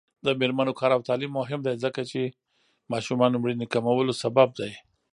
د میرمنو کار او تعلیم مهم دی ځکه چې ماشومانو مړینې کمولو سبب دی.